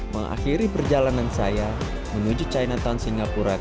mengakhiri perjalanan saya menuju chinatown singapura